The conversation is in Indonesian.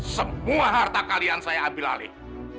semua harta kalian saya ambil alih